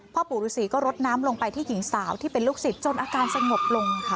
ปู่ฤษีก็รดน้ำลงไปที่หญิงสาวที่เป็นลูกศิษย์จนอาการสงบลงค่ะ